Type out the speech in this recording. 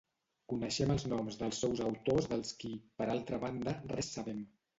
Coneixem els noms dels seus autors dels qui, per altra banda, res sabem.